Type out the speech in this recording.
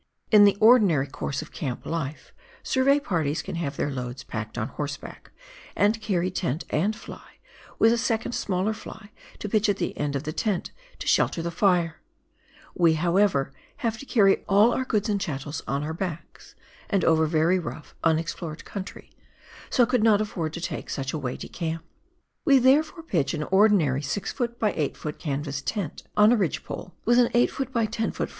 In the ordinary course of camp Kfe, survey parties can have their loads packed on horseback, and carry tent and fly, with a second smaller fly to pitch at the end of the tent to shelter the fire. We, however, have to carry all our goods and chattels 2 WAIHO RIVEB — FRANZ JOSEF GLACIER. 51 on our backs, and over very rougli, unexplored country, so could not afford to take such a weighty camp. We there fore pitch an ordinary 6 ft. by 8 ft. canvas tent, on a ridge pole, with an 8 ft. by 10 ft.